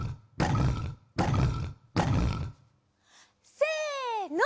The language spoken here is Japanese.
せの！